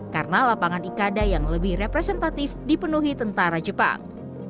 karena lapangan ikada yang lebih representatif dipenuhi tentara jepang